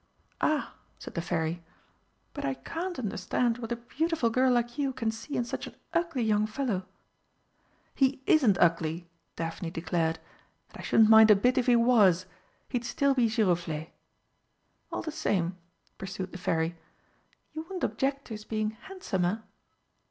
"Ah," said the Fairy, "but I can't understand what a beautiful girl like you can see in such an ugly young fellow!" "He isn't ugly!" Daphne declared. "And I shouldn't mind a bit if he was! He'd still be Giroflé!" "All the same," pursued the Fairy, "you wouldn't object to his being handsomer?"